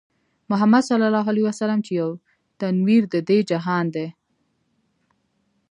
محمدص چې يو تنوير د دې جهان دی